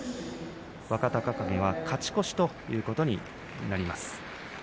若隆景は勝ち越しということになります。